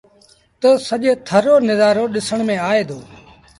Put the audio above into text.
تا سڄي ٿر رو نزآرو ڏسڻ ميݩ آئي دو۔